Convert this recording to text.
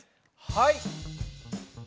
はい。